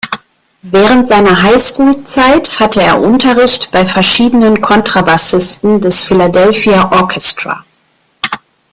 Während seiner Highschool-Zeit hatte er Unterricht bei verschiedenen Kontrabassisten des Philadelphia Orchestra.